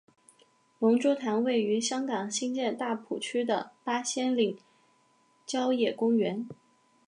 龙珠潭位于香港新界大埔区的八仙岭郊野公园。